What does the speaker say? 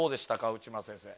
内村先生。